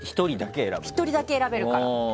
１人だけ選べるから。